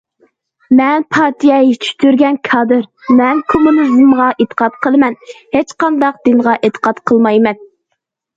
مەن پارتىيە يېتىشتۈرگەن كادىر، مەن كوممۇنىزمغا ئېتىقاد قىلىمەن، ھېچقانداق دىنغا ئېتىقاد قىلمايمەن.